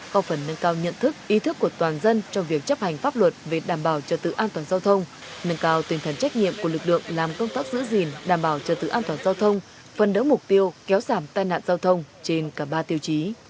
có phần nâng cao nhận thức ý thức của toàn dân trong việc chấp hành pháp luật về đảm bảo trật tự an toàn giao thông nâng cao tinh thần trách nhiệm của lực lượng làm công tác giữ gìn đảm bảo trật tự an toàn giao thông phân đấu mục tiêu kéo giảm tai nạn giao thông trên cả ba tiêu chí